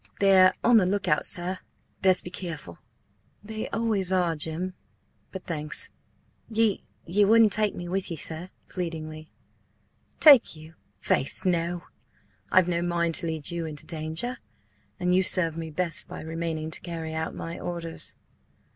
"They're on the look out, sir. Best be careful." "They always are, Jim. But thanks." "Ye–ye wouldn't take me with ye, sir?" pleadingly. "Take you? Faith, no! I've no mind to lead you into danger. And you serve me best by remaining to carry out my orders."